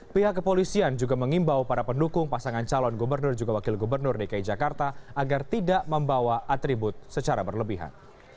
pihak kepolisian juga mengimbau para pendukung pasangan calon gubernur juga wakil gubernur dki jakarta agar tidak membawa atribut secara berlebihan